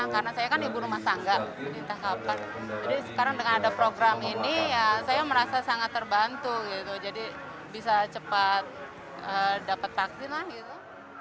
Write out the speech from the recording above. karena saya kan ibu rumah tangga entah kapan jadi sekarang dengan ada program ini ya saya merasa sangat terbantu gitu jadi bisa cepat dapat vaksin lah gitu